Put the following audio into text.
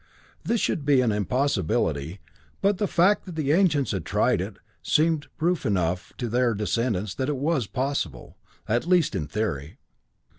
This should be an impossibility, but the fact that the ancients had tried it, seemed proof enough to their descendants that it was possible, at least in theory.